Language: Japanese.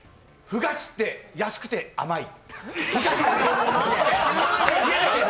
ふ菓子って安くて甘い。